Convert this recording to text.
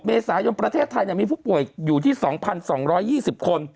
เมษายนประเทศไทยมีผู้ป่วยอยู่ที่๒๒๒๐คน